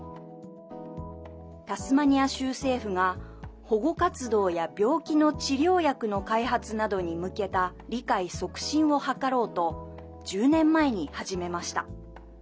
タスマニア州政府が保護活動や病気の治療薬の開発などに向けた理解促進を図ろうと１０年前に始めました。